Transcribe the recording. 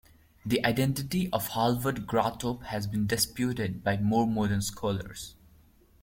The identity of Hallvard Graatop has been disputed by more modern scholars.